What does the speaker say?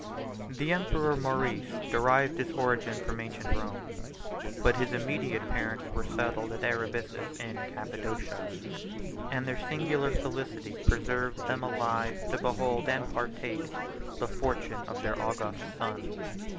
The emperor Maurice derived his origin from ancient Rome; 29 but his immediate parents were settled at Arabissus in Cappadocia, and their singular felicity preserved them alive to behold and partake the fortune of their august son.